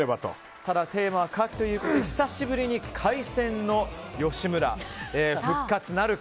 ただテーマはカキということで久しぶりに海鮮の吉村復活なるか。